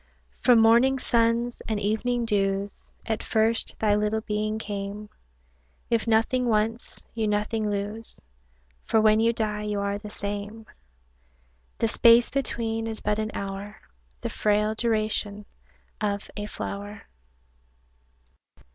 From morning suns and evening dews At first thy little being came; If nothing once, you nothing lose, For when you die you are the same; The space between is but an hour, The frail duration of a flower.